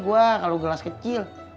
gue kalau gelas kecil